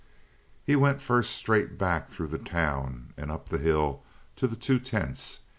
He went first straight back through the town and up the hill to the two tents.